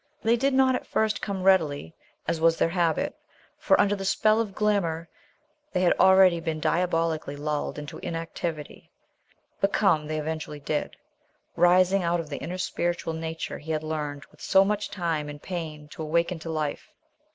They did not at first come readily as was their habit, for under the spell of glamour they had already been diabolically lulled into inactivity, but come they eventually did, rising out of the inner spiritual nature he had learned with so much time and pain to awaken to life.